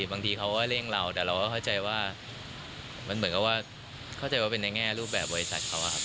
บางทีเขาก็เร่งเราแต่เราก็เข้าใจว่ามันเหมือนกับว่าเข้าใจว่าเป็นในแง่รูปแบบบริษัทเขาอะครับ